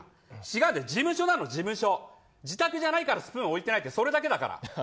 事務所だろ事務所自宅じゃないからスプーン置いてないそれだけだから。